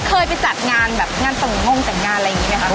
เคยไปจัดงานแบบงานแต่งงแต่งงานอะไรอย่างนี้ไหมคะ